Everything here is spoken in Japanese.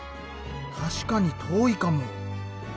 確かに遠いかも。